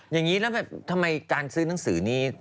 อย่างนี้แล้วแบบทำไมการซื้อหนังสือนี้